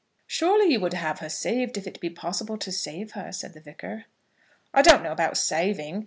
"Surely you would have her saved, if it be possible to save her?" said the Vicar. "I don't know about saving.